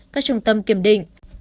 các trung tâm kiểm định